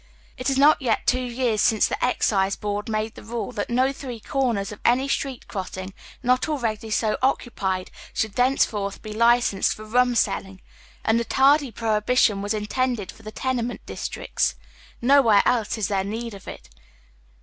It is not yet two years since the Excise Board made the rule that no three corners of any street crossing, not already so occupied, should thenceforward be licensed for mm selling. And the tardy prohibition was intended for the tenement districts. Nowhere else is there need of it.